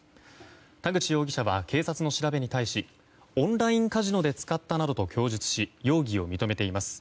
田口容疑者は警察の調べに対しオンラインカジノで使ったなどと供述し、容疑を認めています。